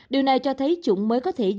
điều này cho thấy chủng mới có thể dễ dàng